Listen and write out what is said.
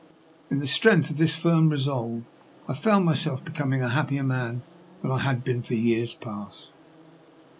In the strength of this firm resolve I found myself becoming a happier man than I had been for years past.